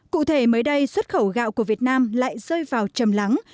cụ thể mới đây xuất khẩu gạo của việt nam lại rơi vào chầm lắng